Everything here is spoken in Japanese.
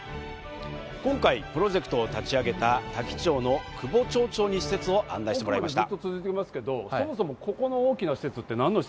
今回プロジェクトを立ち上げた多気町の久保町長に施設を案内してもらいました。